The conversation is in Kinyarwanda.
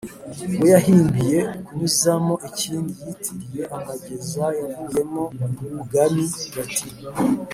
we yahimbiye kunyuzamo ikindi yitiriye amageza yavuyemo uugani bati